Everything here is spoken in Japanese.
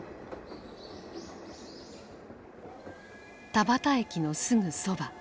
田端駅のすぐそば。